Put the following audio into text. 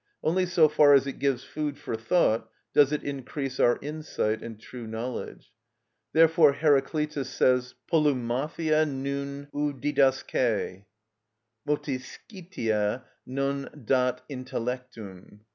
Only so far as it gives food for thought does it increase our insight and true knowledge. Therefore Heracleitus says: "πολυμαθια νουν ου διδασκει" (multiscitia non dat intellectum).